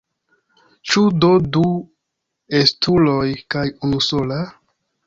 Ĉu do du estuloj kaj unusola?